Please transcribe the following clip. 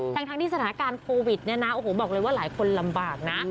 ทั้งที่สถานการณ์โควิดเนี่ยนะโอ้โหบอกเลยว่าหลายคนลำบากนะ